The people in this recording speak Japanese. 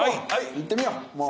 いってみようもう。